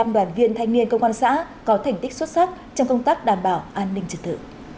bảy mươi năm đoàn viên thanh niên công an xã có thành tích xuất sắc trong công tác đảm bảo an ninh trực thự